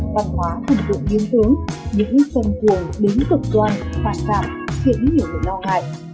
văn hóa thần tượng nghiêm túng những phần cuồng đến cực đoan hoàn cảm khiến nhiều người lo ngại